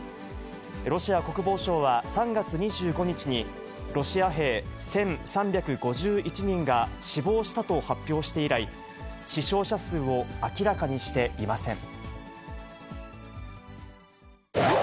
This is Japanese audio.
ロシア国防省は３月２５日に、ロシア兵１３５１人が死亡したと発表して以来、死傷者数を明らかにしていません。